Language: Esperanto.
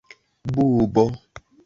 Bubo.